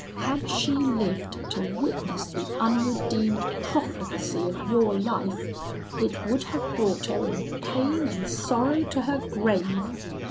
Had she lived to witness the unredeemed profligacy of your life, it would have brought her in pain and sorrow to her grave.